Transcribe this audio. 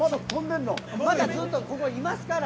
まだずっといますから！